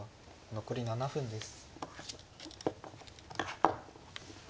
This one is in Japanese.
残り７分です。